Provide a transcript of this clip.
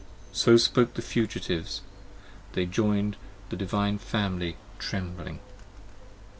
83 So spoke the fugitives; they join'd the Divine Family, trembling.